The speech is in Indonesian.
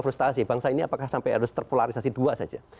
prestasi bangsa ini apakah sampai harus terpolarisasi dua saja